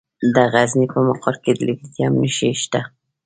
د غزني په مقر کې د لیتیم نښې شته.